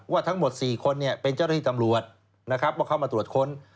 ว่าทั้งหมด๔คนเป็นเจ้าที่ตำรวจว่าเข้ามาตรวจค้น